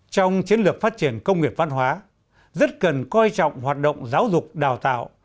trong chiến lược phát triển công nghiệp văn hóa rất cần coi trọng hoạt động giáo dục đào tạo